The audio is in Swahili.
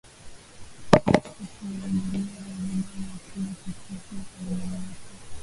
Hakurejea Zanzibar ya Karume kwa kuhofia usalama wake